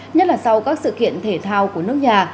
nhất là sau các sự kiện thể thao của nước nhà